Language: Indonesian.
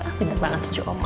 ah pinter banget tuh cu omah